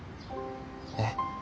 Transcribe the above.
えっ？